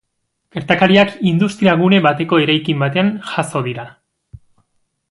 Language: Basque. Gertakariak industria-gune bateko eraikin batean jazo dira.